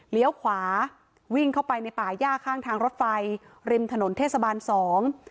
ขวาวิ่งเข้าไปในป่าย่าข้างทางรถไฟริมถนนเทศบาลสอง